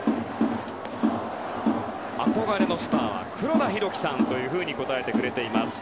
憧れのスターは黒田博樹さんと答えてくれています。